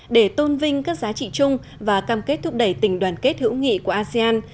để tôn vinh các giá trị chung và cam kết thúc đẩy tình đoàn kết hữu nghị của asean